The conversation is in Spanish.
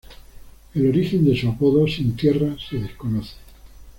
El origen de su apodo "Sin Tierra" se desconoce.